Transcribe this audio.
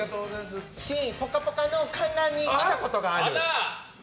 Ｃ、「ぽかぽか」の観覧に来たことがある。